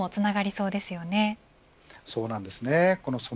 そうなんです。